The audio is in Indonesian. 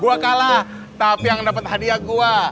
gue kalah tapi yang dapat hadiah gue